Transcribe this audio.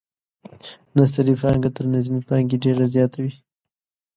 نثري پانګه تر نظمي پانګې ډیره زیاته وي.